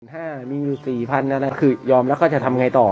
ถ้ามีมือ๔๐๐๐บาทคือยอมแล้วก็จะทำไงต่อ